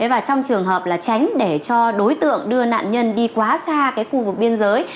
và trong trường hợp là tránh để cho đối tượng đưa nạn nhân đi quá xa cái khu vực biên giới